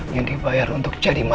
yang dibayar untuk jadi